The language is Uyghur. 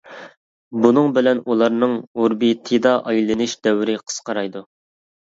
بۇنىڭ بىلەن ئۇلارنىڭ ئوربىتىدا ئايلىنىش دەۋرى قىسقىرايدۇ.